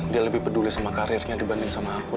dia lebih peduli sama karirnya dibanding sama aku dan anak aku ya